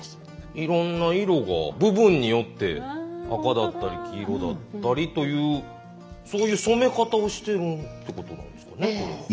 いろんな色が部分によって赤だったり黄色だったりというそういう染め方をしてるってことなんですかね？